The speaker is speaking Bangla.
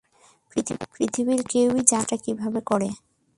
পৃথিবীর কেউই জানে না কাজটা কীভাবে করে।